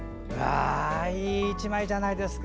いい１枚じゃないですか！